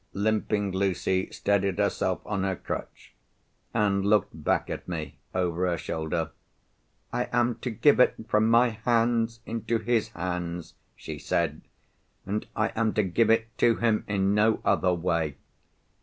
Limping Lucy steadied herself on her crutch and looked back at me over her shoulder. "I am to give it from my hands into his hands," she said. "And I am to give it to him in no other way."